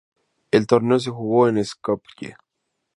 El torneo se jugó en Skopje.